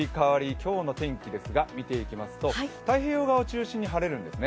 今日の天気見ていきますと、太平洋側を中心に晴れるんですよね。